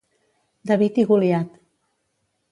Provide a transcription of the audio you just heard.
David i Goliat.